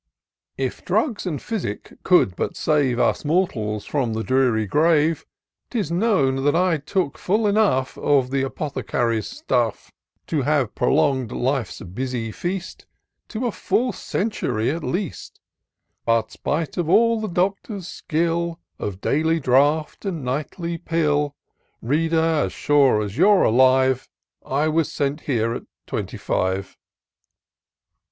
" K drugs and physic could but save Us mortals from the dreary grave, 'Tis known that I took full enough Of the apothecary's stuff. To have prolong'd life's busy feast To a full xientury at least ; But, spite of all the doctor's skiU, Of daily draught and nightly pill, E/cader ! as sure as you're alive, I was sent here at twenty five."